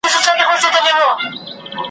« خدای دي نه ورکوي خره لره ښکرونه ,